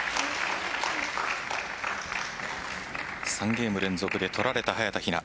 ３ゲーム連続で取られた早田ひな。